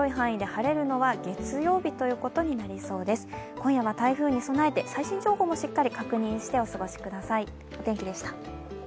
今夜は台風に備えて最新情報も確認してお過ごしください。